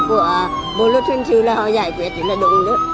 và bộ luật thuyền thừa là họ giải quyết nhiều lần đúng lứt